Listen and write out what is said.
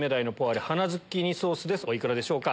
お幾らでしょうか？